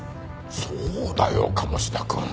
そうだよ鴨志田くん。